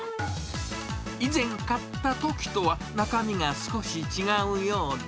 以前買ったときとは中身が少し違うようで。